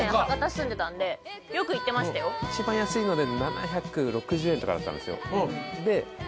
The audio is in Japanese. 一番安いので７６０円とかだったんですよ。